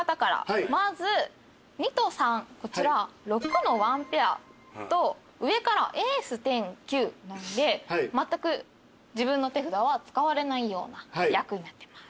まず２と３こちら６の１ペアと上からエース１０９なんでまったく自分の手札は使われないような役になってます。